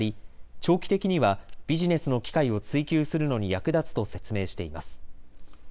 長期的にはビジネスの機会を追求するのに役立つと説明しています。